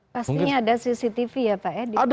pastinya ada cctv ya pak ya